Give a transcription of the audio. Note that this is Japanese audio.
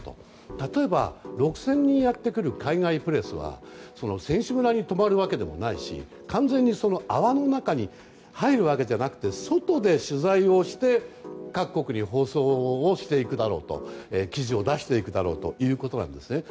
例えば、６０００人やってくる海外プレスは選手村に泊まるわけでもないし完全に泡の中に入るわけじゃなくて外で取材をして各国に放送をしていくだろうと記事を出していくだろうということなんですね。